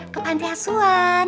ke pantai asuan